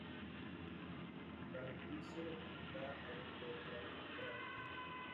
Pardubice está al este de Praga.